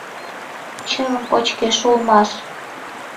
Чывым кочкеш улмаш.